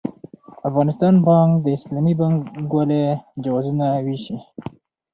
افغانستان بانک د اسلامي بانکوالۍ جوازونه وېشي.